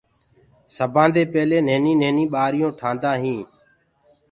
سبآندي پيلي نهيني نهيني ٻآريون ٺآندآ هين۔